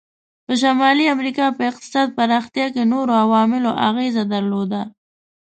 په شمالي امریکا په اقتصاد پراختیا کې نورو عواملو اغیزه درلوده.